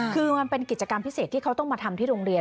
คือมันเป็นกิจกรรมพิเศษที่เขาต้องมาทำที่โรงเรียน